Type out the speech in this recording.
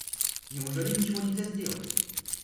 Неужели ничего нельзя сделать?